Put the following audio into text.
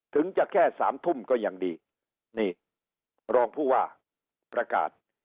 ถึงจะแค่สามทุ่มก็ยังดีนี่รองผู้ว่าประกาศ